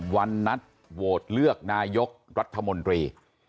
วันนัดโหวตเลือกนายกรัฐมนตรี